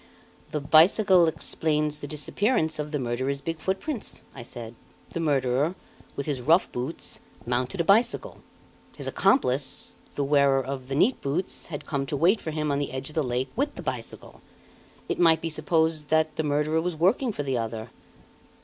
"The bicycle explains the disappearance of the murderer's big foot prints," I said. "The murderer, with his rough boots, mounted a bicycle. His accomplice, the wearer of the neat boots, had come to wait for him on the edge of the lake with the bicycle. It might be supposed that the murderer was working for the other."